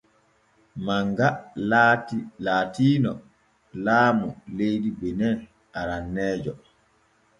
Manga laatino laamu leydi benin aranneejo.